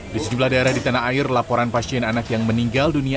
di sejumlah daerah di tanah air laporan pasien anak yang meninggal dunia